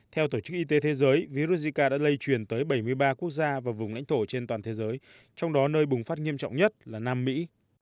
theo tổ chức y tế thế giới virus zika đã lây truyền tới bảy mươi ba quốc gia và vùng lãnh thổ trên toàn thế giới trong đó nơi bùng phát nghiêm trọng nhất là nam mỹ